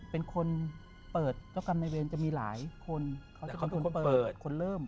เป็นคนเปิดเจ้ากรรมในเวรจะมีหลายคนเขาจะเป็นคนเปิดคนเริ่ม